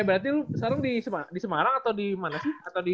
berarti sekarang di semarang atau di mana sih